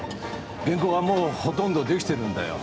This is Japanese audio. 原稿はもうほとんど出来てるんだよ。